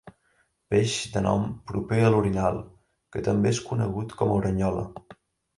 Peix de nom proper a l'orinal que també és conegut com a orenyola.